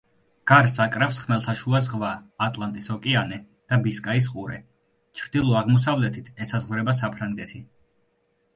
გარს აკრავს ხმელთაშუა ზღვა, ატლანტის ოკეანე და ბისკაის ყურე; ჩრდილო-აღმოსავლეთით ესაზღვრება საფრანგეთი.